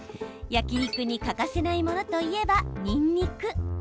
焼き肉に欠かせないものといえば、ニンニク。